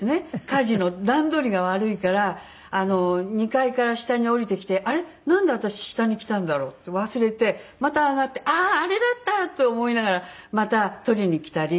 家事の段取りが悪いから２階から下に下りてきて「あれ？なんで私下に来たんだろう」って忘れてまた上がって「ああーあれだった」と思いながらまた取りに来たり。